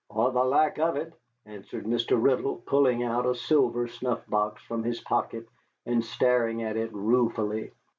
"Or the lack of it," answered Mr. Riddle, pulling out a silver snuff box from his pocket and staring at it ruefully.